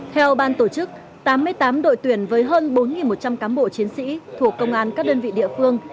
theo ban tổ chức tám mươi tám đội tuyển với hơn bốn một trăm linh cán bộ chiến sĩ thuộc công an các đơn vị địa phương